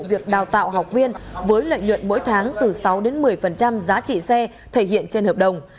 việc đào tạo học viên với lợi nhuận mỗi tháng từ sáu đến một mươi giá trị xe thể hiện trên hợp đồng